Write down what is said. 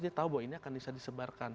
dia tahu bahwa ini akan bisa disebarkan